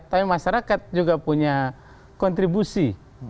tapi masyarakat juga punya kontribusi